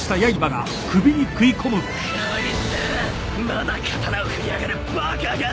こいつまだ刀を振りやがるバカが！